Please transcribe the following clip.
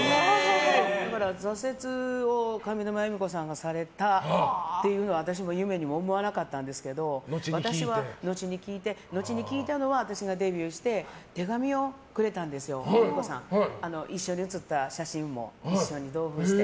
だから挫折を上沼恵美子さんがされたっていうのは私も夢にも思わなかったんですけどのちに聞いたのは私がデビューして手紙をくれたんです、恵美子さん。一緒に写った写真も同封して。